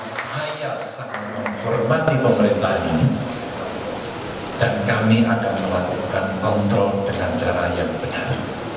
saya sangat menghormati pemerintahan ini dan kami akan melakukan kontrol dengan cara yang benar